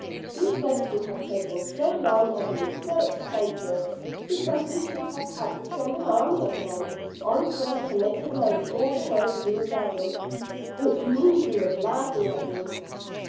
"He said it would have taken so long and been so expensive, because we should have had to send an army of men on first to make a road all the way we were going." "Which means he was laughing at you."